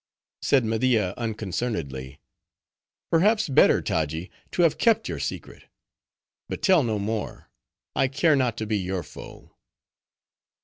Said Media, unconcernedly, "Perhaps better, Taji, to have kept your secret; but tell no more; I care not to be your foe."